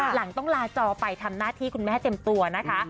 หลังต้องลาจอไปทำหน้าที่คุณแม่เต็มตัวนะคะ